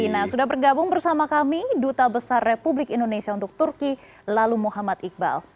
nah sudah bergabung bersama kami duta besar republik indonesia untuk turki lalu muhammad iqbal